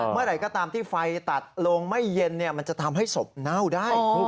เมื่อไหร่ก็ตามที่ไฟตัดโลงไม่เย็นมันจะทำให้ศพเน่าได้